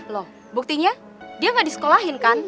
loh buktinya dia nggak disekolahin kan